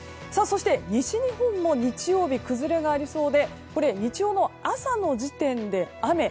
そして、西日本も日曜日、崩れがありそうで日曜の朝の時点で雨。